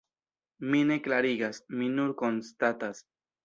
Mi ne klarigas, mi nur konstatas.